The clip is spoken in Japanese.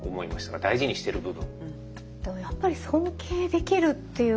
大事にしてる部分。